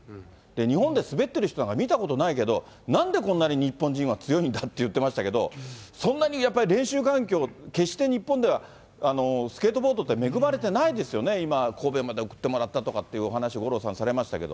日本で滑ってる人なんか見たことないけど、なんでこんなに日本人は強いんだって言ってましたけど、そんなにやっぱり、練習環境、決して日本では、スケートボードって恵まれてないですよね、今、神戸まで送ってもらったなんていうお話を五郎さん、されましたけ